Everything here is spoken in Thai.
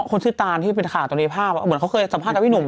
คนชื่อตานที่เป็นข่าวตรงนี้ภาพเหมือนเขาเคยสัมภาษณ์พี่หนุ่ม